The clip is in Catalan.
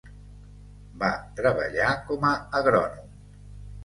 Va treballar com a agrònom.